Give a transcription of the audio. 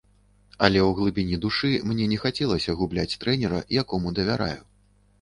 Але ў глыбіні душы мне не хацелася губляць трэнера, якому давяраю.